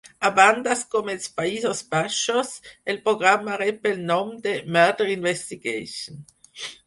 A bandes com els Països Baixos, el programa rep el nom de "Murder Investigation".